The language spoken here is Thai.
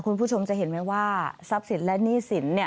คุณผู้ชมจะเห็นไหมว่าทรัพย์สินและหนี้สิน